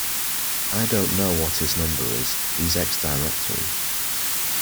I don't know what his number is: he's ex-directory